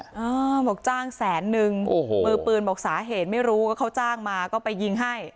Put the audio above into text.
อ่าบอกจ้างแสนนึงโอ้โหมือปืนบอกสาเหตุไม่รู้ว่าเขาจ้างมาก็ไปยิงให้